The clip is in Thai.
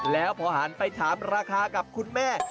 แล้วพอหันไปถามราคากับคุณแม่